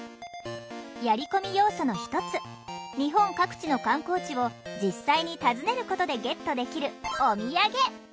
やりこみ要素の一つ日本各地の観光地を実際に訪ねることでゲットできる「おみやげ」。